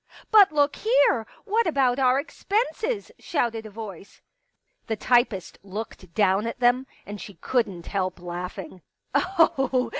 " But look here ! What about our expenses ?" shouted a voice. The typist looked down at them, and she couldn't help laughing.